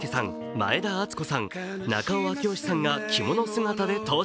前田敦子さん、中尾明慶さんが着物姿で登場。